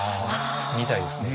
見たいですね。